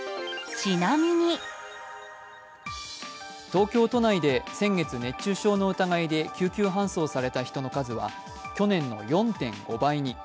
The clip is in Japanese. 東京都内で先月、熱中症の疑いで救急搬送された人の数は去年の４．５倍に。